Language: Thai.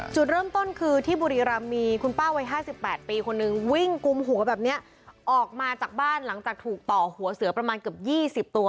จุดเริ่มต้นคือที่บุรีรำมีคุณป้าวัย๕๘ปีคนนึงวิ่งกุมหัวแบบนี้ออกมาจากบ้านหลังจากถูกต่อหัวเสือประมาณเกือบ๒๐ตัว